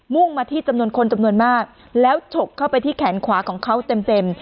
่งมาที่จำนวนคนจำนวนมากแล้วฉกเข้าไปที่แขนขวาของเขาเต็มเต็ม